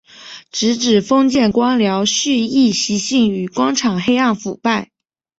直指封建官僚胥吏习性与官场黑暗腐败。